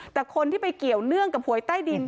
แต่คนที่ไปเกี่ยวเนื่องกับหวยใต้ดิน